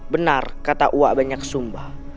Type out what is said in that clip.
benar kata uak banyak sumba